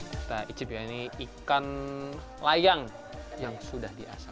kita icip ya ini ikan layang yang sudah diasa